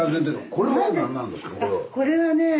これはねえ